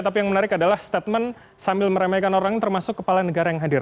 tapi yang menarik adalah statement sambil meremehkan orang termasuk kepala negara yang hadir